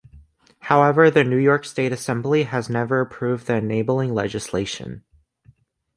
However the New York State Assembly has never approved the enabling legislation.